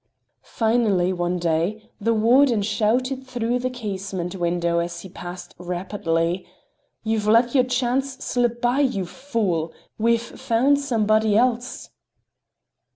Finally one day the warden shouted through the casement window as he passed rapidly: "You've let your chance slip by, you fool! We've found somebody else."